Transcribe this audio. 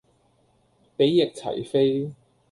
比翼齊飛